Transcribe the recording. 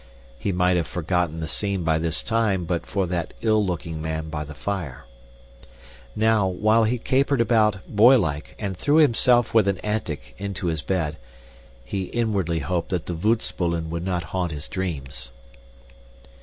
He might have forgotten the scene by this time but for that ill looking man by the fire. Now, while he capered about, boylike, and threw himself with an antic into his bed, he inwardly hoped that the voetspoelen would not haunt his dreams.